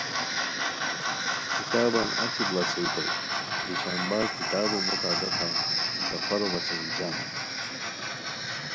کتابان اچی بڑاڅھیتائے دوشنبہ کتابو مطابقہ سفرو بچین جم